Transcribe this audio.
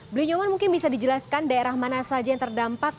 blinyoman mungkin bisa dijelaskan daerah mana saja yang terdampak